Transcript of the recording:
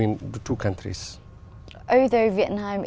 nhưng tôi mong rằng các bạn sẽ thích việt nam